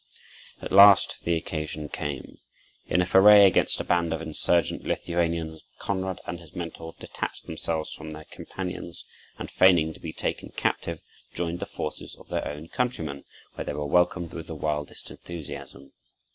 At last the occasion came. In a foray against a band of insurgent Lithuanians, Konrad and his mentor detached themselves from their companions, and feigning to be taken captive, joined the forces of their own countrymen, where they were welcomed with the wildest enthusiasm.